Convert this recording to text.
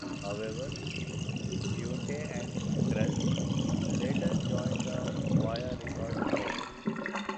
However, Puente and Cruz later joined the Vaya Records label.